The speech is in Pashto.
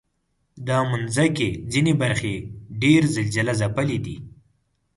د مځکې ځینې برخې ډېر زلزلهځپلي دي.